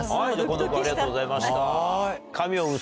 近藤君ありがとうございました。